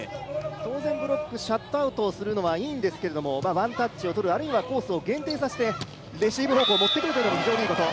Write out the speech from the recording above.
当然、ブロック、シャットアウトをするのはいいんですけれどもワンタッチをとる、あるいはコースを限定させてレシーブ方向に持って行けるというのが非常にいいこと。